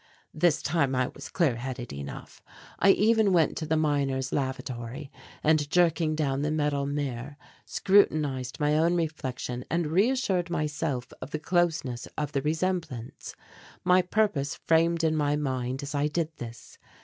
This time I was clear headed enough. I even went to the miners' lavatory and, jerking down the metal mirror, scrutinized my own reflection and reassured myself of the closeness of the resemblance. My purpose framed in my mind as I did this.